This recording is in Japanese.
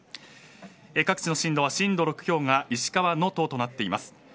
各地の震度は震度６強が石川、能登となっています。